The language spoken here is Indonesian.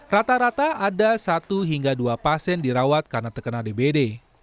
rata rata ada satu hingga dua pasien dirawat karena terkena dbd